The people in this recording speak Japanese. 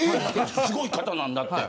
すごい方なんだって。